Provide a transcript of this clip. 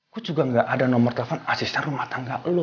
gue juga gak ada nomor telepon asisten rumah tangga lo